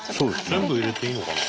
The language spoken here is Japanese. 全部入れていいのかな？